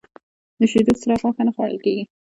د شیدو سره غوښه نه خوړل کېږي.